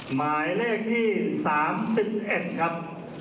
หมายแรกที่สามสิบเอ็ดครับ